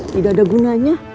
tidak ada gunanya